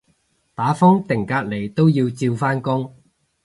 打風定隔離都要照返工